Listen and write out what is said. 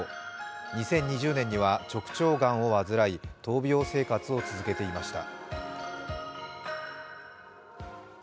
２０２０年には直腸がんを患い闘病生活を続けていました。